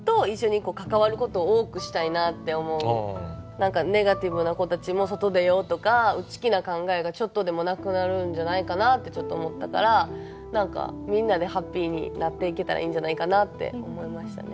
何かネガティブな子たちも外出ようとか内気な考えがちょっとでもなくなるんじゃないかなってちょっと思ったから何かみんなでハッピーになっていけたらいいんじゃないかなって思いましたね。